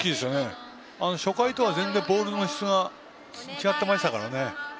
初回とはボールの質が違っていましたからね。